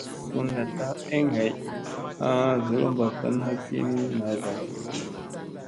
Sun naɗta eŋ hay haa zolomɓa van hagi ni naa gaw.